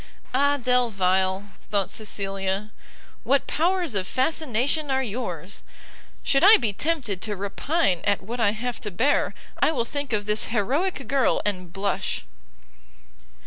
Ah Delvile! thought Cecilia, what powers of fascination are yours! should I be tempted to repine at what I have to bear, I will think of this heroick girl and blush!